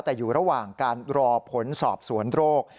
แต่อยู่ระหว่างการรอผลสอบสวนโรค